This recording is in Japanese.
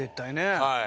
はい。